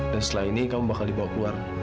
dan setelah ini kamu bakal dibawa keluar